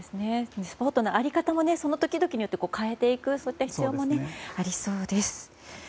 サポートの在り方もその時々によって変えていくといった必要もありそうです。